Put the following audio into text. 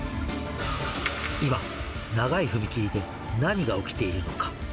今、長い踏切で何が起きているのか。